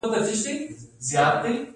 د ارزګان په چنارتو کې د څه شي نښې دي؟